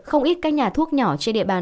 không ít các nhà thuốc nhỏ trên địa bàn